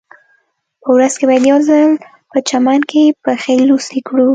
په ورځ کې یو ځل باید په چمن پښې لوڅې کړو